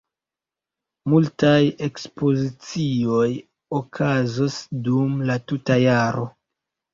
Multaj ekspozicioj okazos dum la tuta jaro.